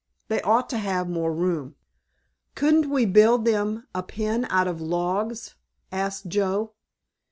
They ought to have more room." "Couldn't we build them a pen out of logs?" asked Joe.